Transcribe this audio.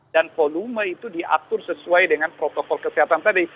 dan volume itu diatur sesuai dengan protokol kesehatan tadi